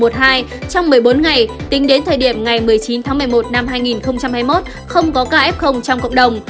trong một mươi bốn ngày tính đến thời điểm ngày một mươi chín tháng một mươi một năm hai nghìn hai mươi một không có caf trong cộng đồng